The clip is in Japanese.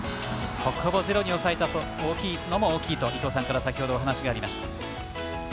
ここも０に抑えたのが大きいと伊東さんから先ほどお話がありました。